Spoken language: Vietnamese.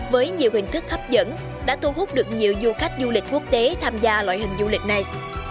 với nhiều hình thức hấp dẫn đã thu hút được nhiều du khách du lịch quốc tế tham gia loại hình du lịch này